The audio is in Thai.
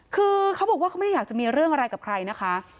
คือเขาบอกว่าเขาไม่ได้อยากจะมีเรื่องอะไรกับใครนะคะ